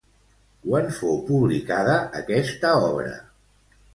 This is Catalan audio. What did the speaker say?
Quan fou publicada aquesta obra?